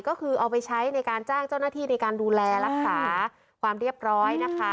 ก็คือเอาไปใช้ในการจ้างเจ้าหน้าที่ในการดูแลรักษาความเรียบร้อยนะคะ